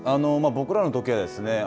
僕らのときはですね